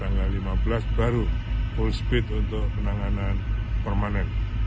tanggal lima belas baru full speed untuk penanganan permanen